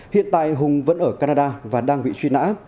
hiện tại hùng vẫn ở canada và đang bị truy nã